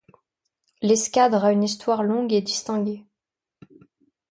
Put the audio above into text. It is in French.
L'escadre a une histoire longue et distingué.